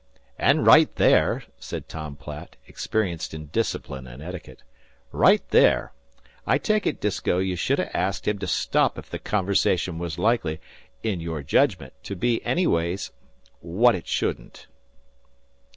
"An' right there," said Tom Platt, experienced in discipline and etiquette "right there, I take it, Disko, you should ha' asked him to stop ef the conversation wuz likely, in your jedgment, to be anyways what it shouldn't."